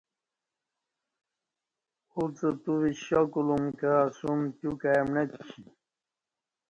اوڅہ تو ویشا کول م کہ اسوم تیو کای مݨہ چی